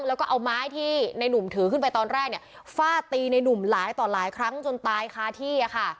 แล้วก็เอาไม้ที่ในหนุ่มถือขึ้นไปตอนแรกเนี่ยฟาดตีในหนุ่มหลายต่อหลายครั้งจนตายคาที่อะค่ะ